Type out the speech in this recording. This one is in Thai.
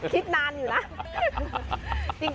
คิดนานอยู่นะ